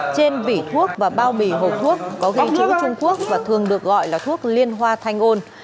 trên vỉ thuốc và bao bì hộp thuốc có ghi chữ trung quốc và thường được gọi là thuốc liên hoa thanh ôn